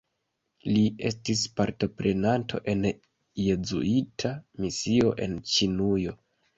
Li estis partoprenanto en Jezuita misio en Ĉinujo.